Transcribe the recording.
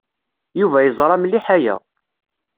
Yuba yeẓra mliḥ aya.